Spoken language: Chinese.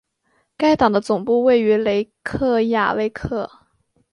该党的总部位于雷克雅未克。